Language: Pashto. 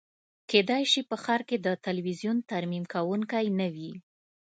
کیدای شي په ښار کې د تلویزیون ترمیم کونکی نه وي